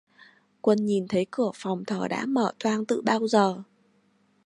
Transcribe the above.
Quân nhìn thấy cửa phòng thờ đã mở toang tự bảo giờ